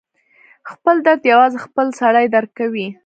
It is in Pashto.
خپل درد یوازې خپله سړی درک کوي.